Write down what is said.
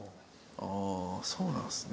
ああそうなんですね。